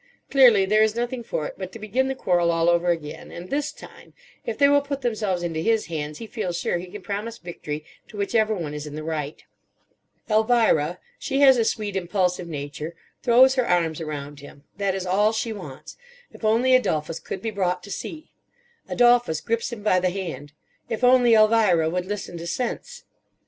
Clearly there is nothing for it but to begin the quarrel all over again; and this time, if they will put themselves into his hands, he feels sure he can promise victory to whichever one is in the right. Elvira—she has a sweet, impulsive nature—throws her arms around him: that is all she wants. If only Adolphus could be brought to see! Adolphus grips him by the hand. If only Elvira would listen to sense!